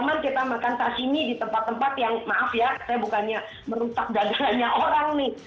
jadi kita makan sashimi di tempat tempat yang maaf ya saya bukannya merutak dagangnya orang nih